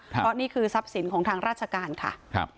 เพราะนี่คือทรัพย์สินของทางราชการค่ะ